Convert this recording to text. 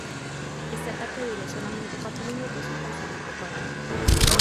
Este ataque duró solamente cuatro minutos y causó muy poco daño.